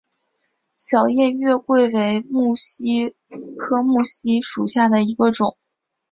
小叶月桂为木犀科木犀属下的一个种。